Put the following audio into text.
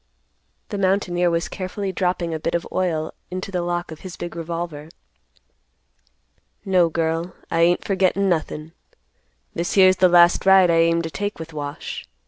The mountaineer was carefully dropping a bit of oil into the lock of his big revolver. "No, girl, I ain't forgettin' nothin'. This here's the last ride I aim to take with Wash.